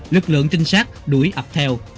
lực lượng tinh sát đuổi ập theo